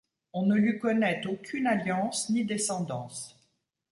On ne lui connaît aucune alliance ni descendance.